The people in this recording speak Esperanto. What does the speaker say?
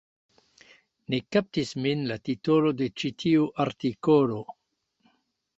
Ne kaptis min la titolo de ĉi tiu artikolo